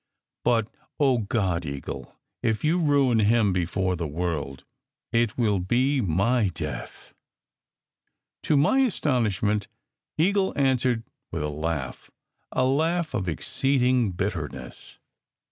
But, oh, God, Eagle, if you ruin him before the world it will be my death !" To my astonishment Eagle answered with a laugh a laugh of exceeding bitterness.